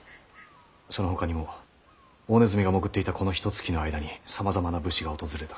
そのほかにも大鼠が潜っていたこのひとつきの間にさまざまな武士が訪れたと。